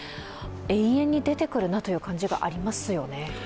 延々と出てくるなという感じがありますね。